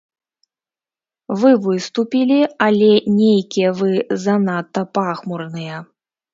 Вы выступілі, але нейкія вы занадта пахмурныя.